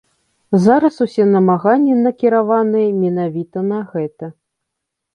Зараз усе намаганні накіраваныя менавіта на гэта.